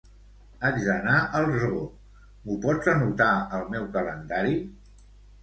Haig d'anar al Zoo; m'ho pots anotar al meu calendari?